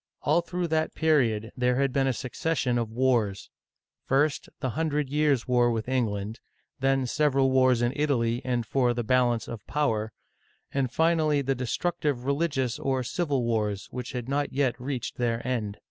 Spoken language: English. All through that period there had been a suc o. F. — 18 r^ T Digitized by VjOOQIC 28o OLD FRANCE cession of wars : first, the Hundred Years' War with Eng land ; then several wars in Italy, and for the Balance of Power ; and finally the destructive religious or civil wars, which had not yet reached their end.